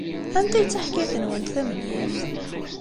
Anta ay d taḥkayt-nwent tamenyaft?